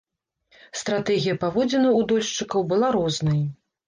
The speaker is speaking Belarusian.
Стратэгія паводзінаў у дольшчыкаў была рознай.